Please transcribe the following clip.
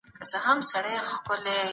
ډېری ښوونځي تړلي پاتې شوي وو.